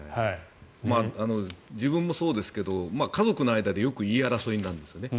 自分もそうですが家族の間でよく言い争いになるんですよね。